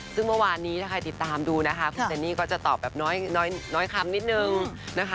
ซึ่งเมื่อวานนี้ถ้าใครติดตามดูนะคะคุณเจนนี่ก็จะตอบแบบน้อยคำนิดนึงนะคะ